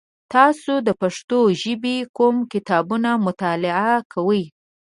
تاسو د پښتو ژبې کوم کتابونه مطالعه کوی؟